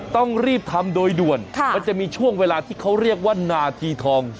ต้องรีบทำโดยด่วนมันจะมีช่วงเวลาที่เขาเรียกว่านาทีทอง